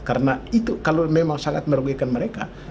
karena itu kalau memang sangat merugikan mereka